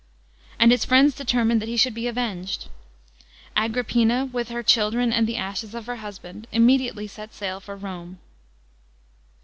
And his uiends determined that he should be avenged. Agrippina, w^h Jier children and tie ashes of her husband, immediwtely set oail for KUBJ.